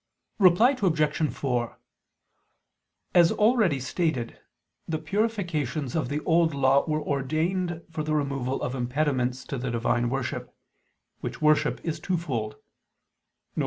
Reply Obj. 4: As already stated, the purifications of the Old Law were ordained for the removal of impediments to the divine worship: which worship is twofold; viz.